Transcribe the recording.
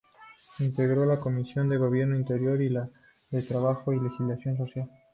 Integró la comisión de Gobierno Interior y la de Trabajo y Legislación Social.